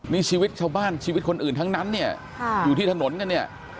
นี่ชีวิตชาวบ้านชีวิตคนอื่นทั้งนั้นเนี่ยอยู่ที่ถนนกันเนี่ย